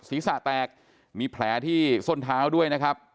ศีรษะแตกมีแผลที่ส้นเท้าด้วยนะครับ